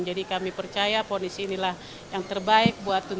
jadi kami percaya ponisi inilah yang terbaik buat rr